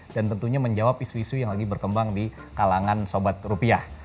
dan tentunya menjawab isu isu yang lagi berkembang di kalangan sobat rupiah